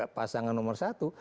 dan juga pasangan nomor satu